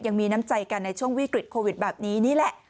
ยังมีน้ำใจกันในช่วงวิกฤตโควิดแบบนี้นี่แหละ